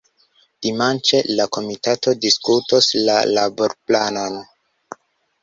Dimanĉe la komitato diskutos la laborplanon.